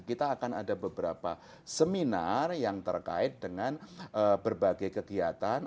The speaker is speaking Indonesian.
kita akan ada beberapa seminar yang terkait dengan berbagai kegiatan